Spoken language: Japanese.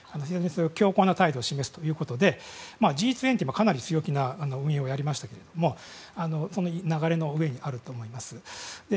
強硬な態度を示すということでＧ２０もかなり強気な運営をやりましたけどこの流れの上にあると思います。